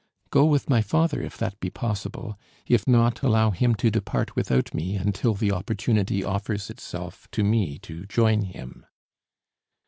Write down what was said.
"Go with my father, if that be possible. If not, allow him to depart without me until the opportunity offers itself to me to join him."